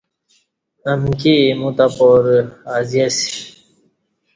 امکِی ایمو تہ پارہ ازیسی